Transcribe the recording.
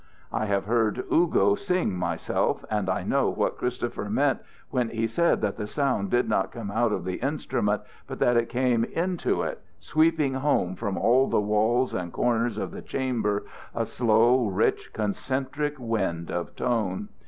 I have heard "Ugo" sing, myself, and I know what Christopher meant when he said that the sound did not come out of the instrument, but that it came in to it, sweeping home from all the walls and corners of the chamber, a slow, rich, concentric wind of tone.